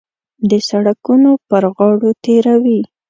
د سړکونو پر غاړو تېروي.